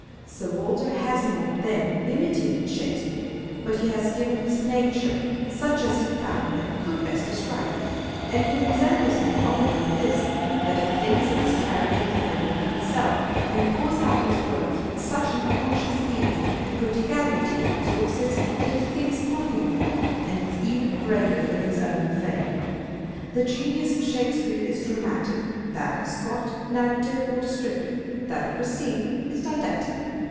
Sir Walter has not, then, imitated Shakespeare, but he has given us nature, such as he found and could best describe it ; and he resembles him only in this, that he thinks of his characters and never of himself, and pours out his works with such unconscious ease and prodigality of resources that he thinks nothing of them, and is even greater than his own fame. The genius of Shakespeare is dramatic, that of Scott narrative or descriptive, that of Racine is didactic.